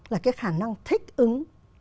là cái khả năng thích ứng